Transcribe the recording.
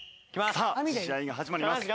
さあ試合が始まります。